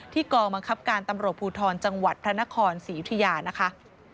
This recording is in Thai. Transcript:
กองบังคับการตำรวจภูทรจังหวัดพระนครศรียุธยานะคะ